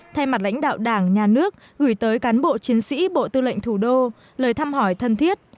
thay mặt lãnh đạo đảng nhà nước gửi tới cán bộ chiến sĩ bộ tư lệnh thủ đô lời thăm hỏi thân thiết